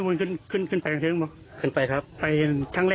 เหมือนนักศึกษีเมนวิวเทอร์ด้วยนครไม่มีซ้อมหน่อย